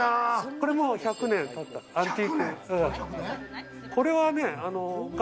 これも１００年経ったアンティーク。